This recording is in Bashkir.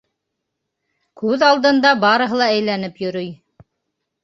Күҙ алдында барыһы ла әйләнеп йөрөй.